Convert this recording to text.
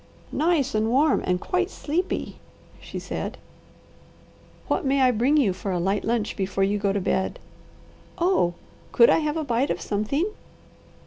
"Nice and warm and quite sleepy," she said. "What may I bring you for a light lunch before you go to bed?" "Oh, could I have a bite of something?"